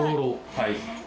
はい。